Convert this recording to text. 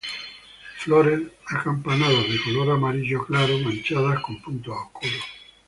Flores acampanadas de color amarillo claro, manchadas con puntos oscuros.